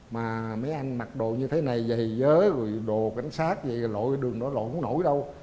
mà mấy anh mặc đồ như thế này dày dớ đồ cảnh sát vậy là lội đường đó lội không nổi đâu